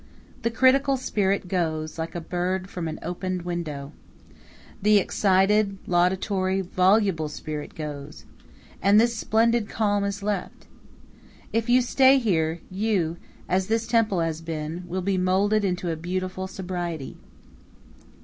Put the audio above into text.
The critical spirit goes, like a bird from an opened window. The excited, laudatory, voluble spirit goes. And this splendid calm is left. If you stay here, you, as this temple has been, will be molded into a beautiful sobriety.